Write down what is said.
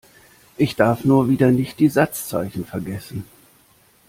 Ich darf nur wieder nicht die Satzzeichen vergessen.